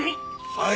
はい！